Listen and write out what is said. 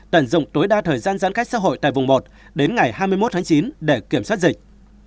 tận dụng tối đa thời gian giãn cách xã hội tại vùng một đến ngày hai mươi một tháng chín để kiểm soát dịch